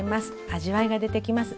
味わいが出てきます。